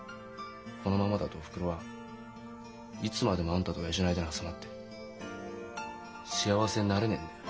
このままだとおふくろはいつまでもあんたと親父の間に挟まって幸せになれねえんだよ。